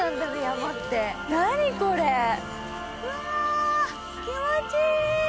わー、気持ちいい。